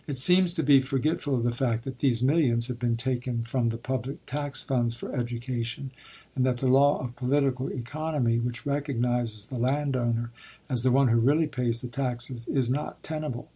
It seems to be forgetful of the fact that these millions have been taken from the public tax funds for education, and that the law of political economy which recognizes the land owner as the one who really pays the taxes is not tenable.